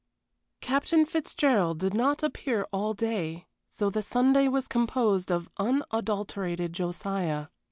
Captain Fitzgerald did not appear all day, so the Sunday was composed of unadulterated Josiah.